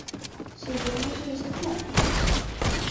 সেজন্যই কি এসেছেন?